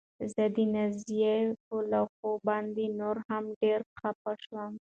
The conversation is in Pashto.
زه د نازيې په لافو باندې نوره هم ډېره خپه شوم.